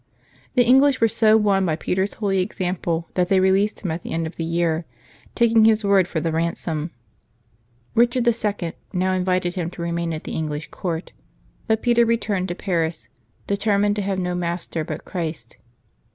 The English were so won by Peter's holy example that they released him at the end of the year, taking his word for the ransom. Richard II. now invited him to remain at the English court ; but Peter returned to Paris, determined to have no master but Christ.